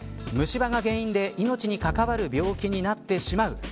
虫歯が原因で命に関わる病気になってしまう。